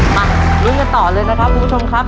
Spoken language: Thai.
มาลุ้นกันต่อเลยนะครับคุณผู้ชมครับ